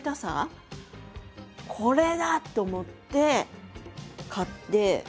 これだ！と思って買って。